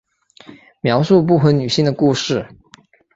描述不婚女性的故事。